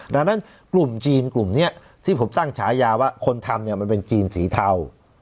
ดังนั้นกลุ่มจีนกลุ่มนี้ที่ผมตั้งฉายาว่าคนทำมันเป็นจีนสีเทา